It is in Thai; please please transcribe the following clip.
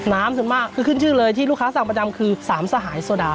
ส่วนมากคือขึ้นชื่อเลยที่ลูกค้าสั่งประจำคือสามสหายโซดา